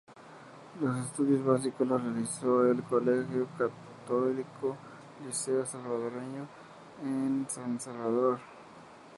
Los estudios básicos los realizó en el colegio católico Liceo Salvadoreño, en San Salvador.